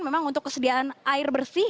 memang untuk kesediaan air bersih